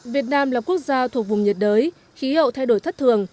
việt nam là quốc gia thuộc vùng nhiệt đới khí hậu thay đổi thất thường